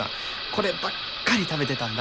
こればっかり食べてたんだ。